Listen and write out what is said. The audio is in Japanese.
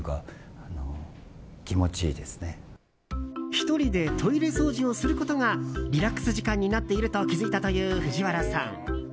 １人でトイレ掃除をすることがリラックス時間になっていると気づいたという藤原さん。